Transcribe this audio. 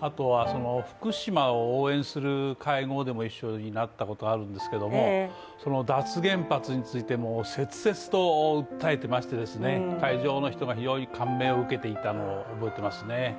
あとは福島を応援する会合でも一緒になったことがあるんですけど脱原発についても切々と訴えていまして、会場の人が非常に感銘を受けていたのを覚えていますね。